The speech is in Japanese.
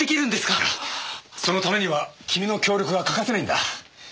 いやそのためには君の協力が欠かせないんだ。